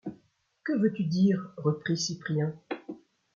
Que veux-tu dire ? reprit Cyprien.